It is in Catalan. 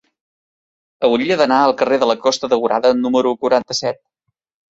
Hauria d'anar al carrer de la Costa Daurada número quaranta-set.